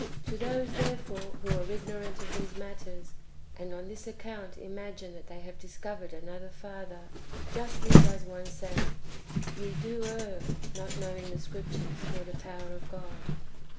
To those, therefore, who are ignorant of these matters, and on this account imagine that they have discovered another Father, justly does one say, " Ye do err, not knowing the Scriptures, nor the power of God."